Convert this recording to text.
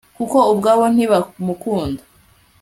kuko ubwabo ntibamukunda